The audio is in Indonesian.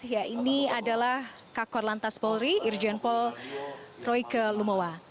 ya ini adalah kak kor lantas polri irjen pol royke lumowa